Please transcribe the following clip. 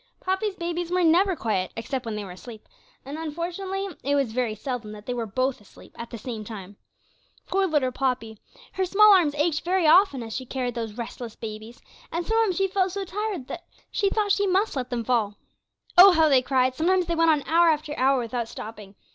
Poppy's babies were never quiet, except when they were asleep, and unfortunately it was very seldom that they were both asleep at the same time. Poor little Poppy! her small arms ached very often as she carried those restless babies, and sometimes she felt so tired she thought she must let them fall. Oh, how they cried! Sometimes they went on hour after hour without stopping.